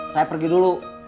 saya pergi dulu